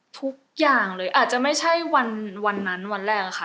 ทุกอย่างเลยอาจจะไม่ใช่วันนั้นวันแรกค่ะ